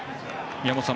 宮本さん